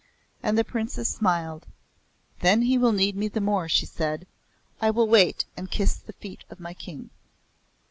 And the Princess smiled; "Then he will need me the more," she said; "I will wait and kiss the feet of my King."